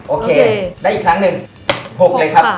โอเคได้อีกครั้งหนึ่ง๖เลยครับ